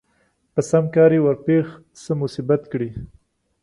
په سم کار کې يې ورپېښ څه مصيبت کړي